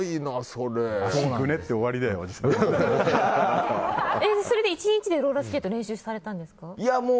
それって１日でローラースケート練習されたんですか？